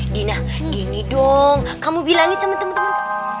dina gini dong kamu bilangin sama temen temen